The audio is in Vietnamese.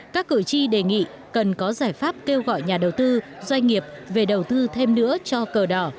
các cử tri đề nghị cần có giải pháp kêu gọi nhà đầu tư doanh nghiệp về đầu tư thêm nữa cho cờ đỏ